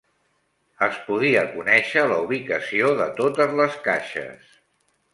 Es podia conèixer la ubicació de totes les caixes.